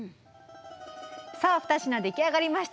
さあ２品出来上がりました。